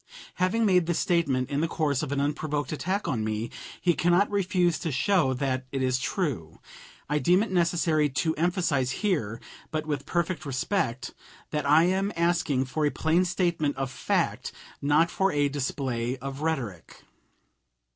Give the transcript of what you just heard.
Having made this statement in the course of an unprovoked attack on me, he cannot refuse to show that it is true. I deem it necessary to emphasize here (but with perfect respect) that I am asking for a plain statement of fact, not for a display of rhetoric.